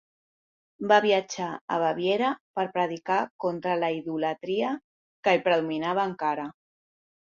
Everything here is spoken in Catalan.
Va viatjar a Baviera per predicar contra la idolatria que hi predominava encara.